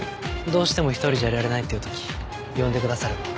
どうしても１人じゃいられないっていうとき呼んでくだされば。